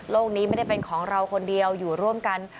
นี้ไม่ได้เป็นของเราคนเดียวอยู่ร่วมกัน